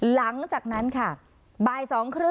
หลังจากนั้นค่ะบ่าย๒๓๐